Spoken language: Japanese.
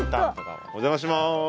お邪魔します。